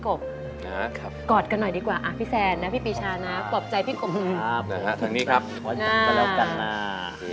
โทษให้